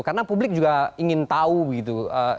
karena publik juga ingin tahu gitu